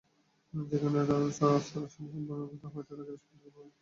সেখানে অবস্থা আশঙ্কাজনক হওয়ায় রাতেই তাঁকে রাজশাহী মেডিকেল কলেজ হাসপাতালে পাঠানো হয়।